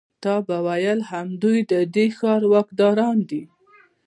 تا به ویل همدوی د دې ښار واکداران دي.